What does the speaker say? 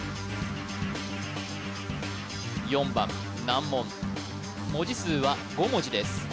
４番難問文字数は５文字です